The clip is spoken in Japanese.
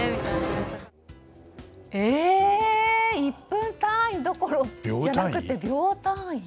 １分単位どころじゃなくて秒単位。